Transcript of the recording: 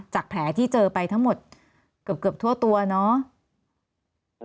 แผลที่เจอไปทั้งหมดเกือบทั่วตัวเนาะ